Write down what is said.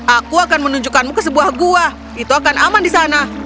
aku akan menunjukkanmu ke sebuah gua itu akan aman di sana